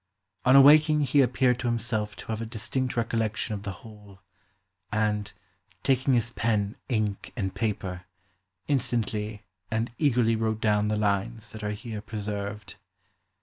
On awaking he appeared to him self to have a distinct recollection of the whole, and. taking his pen, ink, and paper, instantly and eagerly wrote down the lines that are here preserved.